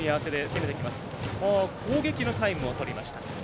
攻撃のタイムをとりました。